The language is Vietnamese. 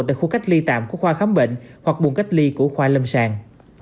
tại khu cách ly tạm của khoa khám bệnh hoặc buồn cách ly của khoa lâm sàng